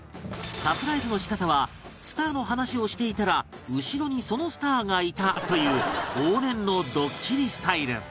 サプライズの仕方はスターの話をしていたら後ろにそのスターがいたという往年のドッキリスタイル